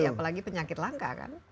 apalagi penyakit langka kan